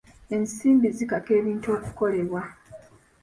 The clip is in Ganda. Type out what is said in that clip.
Ensimbi zikaka ebintu okukolebwa.